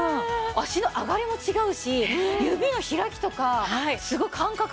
足の上がりも違うし指の開きとかすごい感覚が。